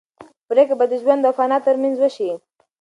پرېکړه به د ژوند او فنا تر منځ وشي.